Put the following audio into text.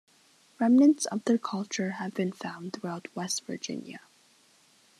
Remnants of their culture have been found throughout West Virginia.